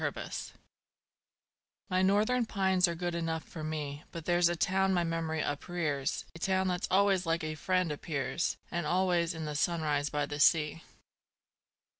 Boston My northern pines are good enough for me, But there's a town my memory uprears A town that always like a friend appears, And always in the sunrise by the sea.